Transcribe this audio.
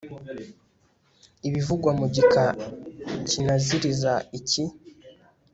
ibivugwa mu gika kinaziriza iki